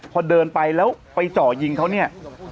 พอเดินไปแล้วไปเจาะยิงเขาเนี่ย